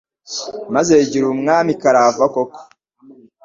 maze yigira umwami karahava koko